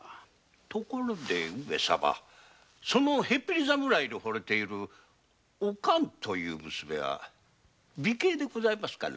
ところで上様その腰抜け侍にホれているおかんという娘は美形でございますかな？